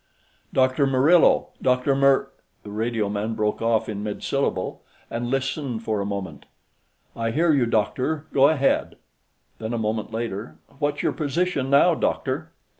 "Dr. Murillo. Dr. Mur " The radioman broke off in mid syllable and listened for a moment. "I hear you, doctor, go ahead." Then, a moment later "What's your position, now, doctor?"